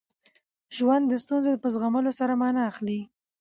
ژوند د ستونزو په زغمولو سره مانا اخلي.